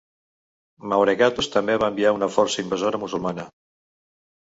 Mauregatus també va envia una força invasora musulmana.